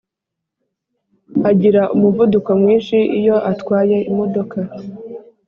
agira umuvuduko mwinshi iyo atwaye imodoka